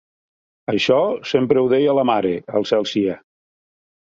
Això, sempre ho deia la mare, al cel sia.